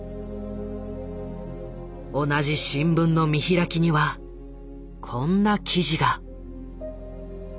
同じ新聞の見開きにはこんな記事が。